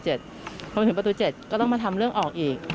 พอมาถึงประตู๗ก็ต้องมาทำเรื่องออกอีก